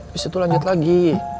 abis itu lanjut lagi